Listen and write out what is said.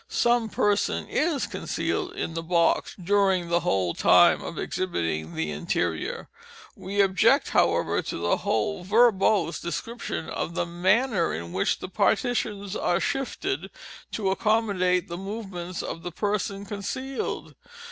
Some person is concealed in the box during the whole time of exhibiting the interior. We object, however, to the whole verbose description of the _manner _in which the partitions are shifted, to accommodate the movements of the person concealed.